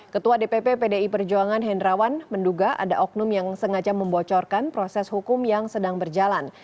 ketua dpp pdi perjuangan hendrawan menduga ada oknum yang sengaja membocorkan proses hukum yang sedang berjalan